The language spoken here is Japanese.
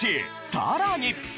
さらに。